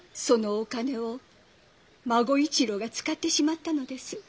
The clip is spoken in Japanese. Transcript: そのお金を孫一郎が使ってしまったのです。